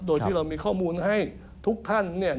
โดยที่เรามีข้อมูลให้ทุกท่านเนี่ย